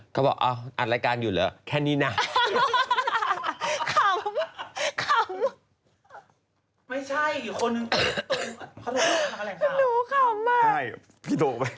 อรรับรายการอยู่เหรอ